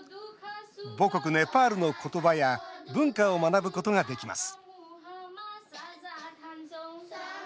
母国ネパールの言葉や文化を学ぶことができます